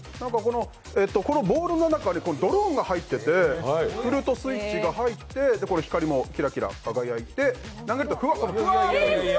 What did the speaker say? ボールの中にドローンが入っていて、振るとスイッチが入ってこれ、光もキラキラ輝いて投げるとふわっと。